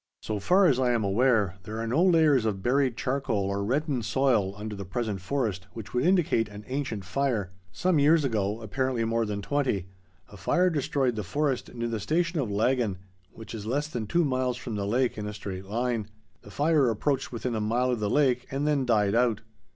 So far as I am aware, there are no layers of buried charcoal or reddened soil under the present forest which would indicate an ancient fire. Some years ago—apparently more than twenty,—a fire destroyed the forest near the station of Laggan, which is less than two miles from the lake in a straight line. The fire approached within a mile of the lake and then died out.